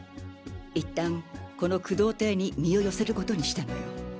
一旦この工藤邸に身を寄せる事にしたのよ。